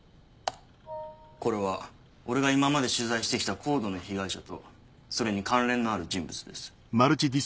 これは俺が今まで取材してきたＣＯＤＥの被害者とそれに関連のある人物です。